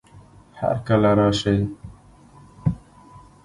هر کله راشئ